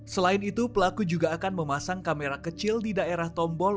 selain itu pelaku juga akan memasang kamera kecil di daerah tombol